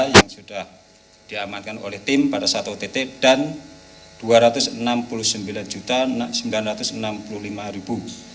yang sudah diamankan oleh tim pada saat ott dan rp dua ratus enam puluh sembilan sembilan ratus enam puluh lima